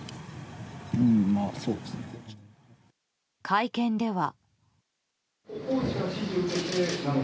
会見では。